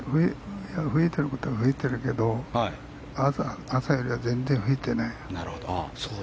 吹いてることは吹いてるけど朝よりは全然吹いてない。